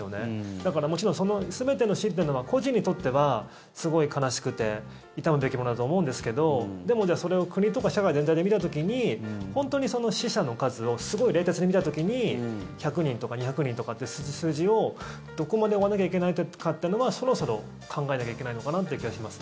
だから、もちろん全ての死というのは個人にとってはすごい悲しくて悼むべきものだと思うんですけどでも、それを国とか社会全体で見た時に本当に死者の数をすごい冷徹に見た時に１００人とか２００人とかって数字をどこまで追わなきゃいけないかってのはそろそろ考えなきゃいけないのかなって気がします。